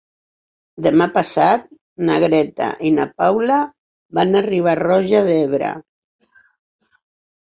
Demà passat na Greta i na Paula van a Riba-roja d'Ebre.